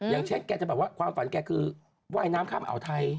อย่างเช่นแกจะแบบว่าความฝันแกคือว่ายน้ำข้ามอ่าวไทย